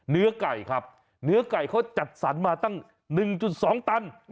เนื้อไก่เขาจัดสรรมาตั้ง๑๒ตัน